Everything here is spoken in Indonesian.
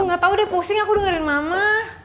gak tau deh pusing aku dengerin mama